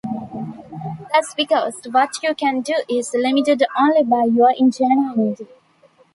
That's because what you can do is limited only by your ingenuity.